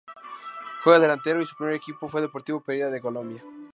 Juega de delantero y su primer equipo fue Deportivo Pereira de Colombia.